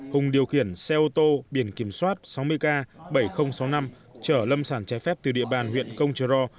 hùng điều khiển xe ô tô biển kiểm soát sáu mươi k bảy nghìn sáu mươi năm trở lâm sản trái phép từ địa bàn huyện công trờ ro